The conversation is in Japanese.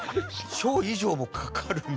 小以上もかかるんだ。